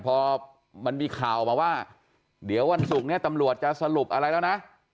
พอมันมีข่าวมาว่าเดี๋ยววันศุกร์เนี่ยตำรวจจะสรุปอะไรแล้วนะ